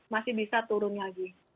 masih bisa turun lagi